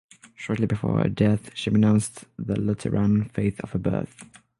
Shortly before her death she renounced the Lutheran faith of her birth.